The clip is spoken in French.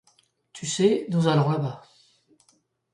Tu sais, nous allons là-bas.